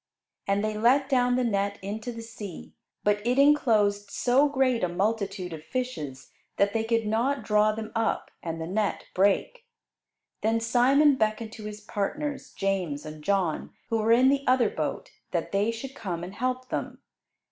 And they let down the net into the sea, but it enclosed so great a multitude of fishes that they could not draw them up; and the net brake. Then Simon beckoned to his partners, James and John, who were in the other boat, that they should come and help them.